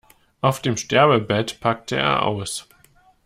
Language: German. Auf dem Sterbebett packte er aus.